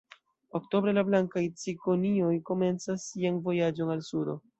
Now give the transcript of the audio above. Oktobre la blankaj cikonioj komencas sian vojaĝon al sudo.